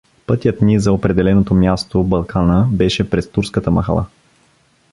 Пътят ни за определеното място — Балкана — беше през турската махала.